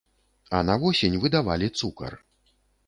А на восень выдавалі цукар.